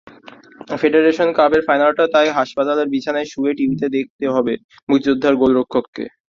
Federation কাপের ফাইনালটা তাই হাসপাতালের বিছানায় শুয়েই টিভিতে দেখতে হবে মুক্তিযোদ্ধার গোলরক্ষককে।